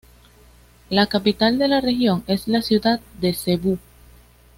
La capital de la región es la ciudad de Cebú.